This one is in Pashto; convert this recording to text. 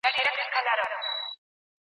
دنده لرونکي خلګ باید سم ټایپنګ وکړي.